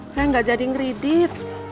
saya gak jadi ngeridit